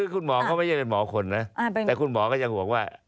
คุณหมอเขาไม่ใช่เป็นหมอคนนะแต่คุณหมอก็ยังบอกว่า